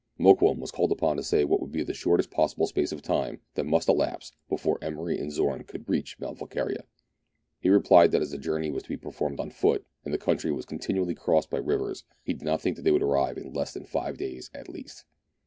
Mokoum was called upon to say what would be the shortest possible space of time that must elapse before Emery and Zorn could reach Mount Volquiria. He replied that as the journey was to be performed on foot, and the country was continually crossed by rivers, he did not think that they could arrive in less than five days at least.